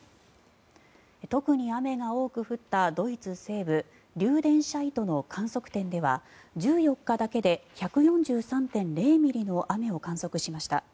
特に雨が多く降ったドイツ西部リューデンシャイトの観測点では１４日だけで１４３．０ミリの雨を観測しました。